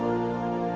saya tidak tahu